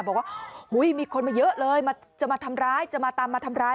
บอกว่ามีคนมาเยอะเลยจะมาทำร้ายจะมาตามมาทำร้าย